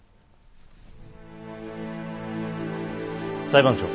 裁判長。